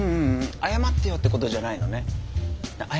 謝ってってことじゃない。